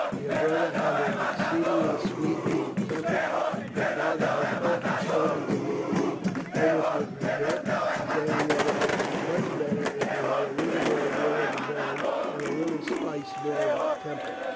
Your brother had an exceedingly sweet and even temper. Your father has often spoken to me of it, almost with regret, saying that it would be much better if he had a little more will of his own and a little spice more of temper.